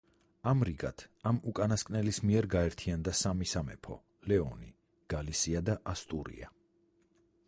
ამრიგად ამ უკანასკნელის მიერ გაერთიანდა სამი სამეფო: ლეონი, გალისია და ასტურია.